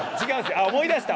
ああ思い出した！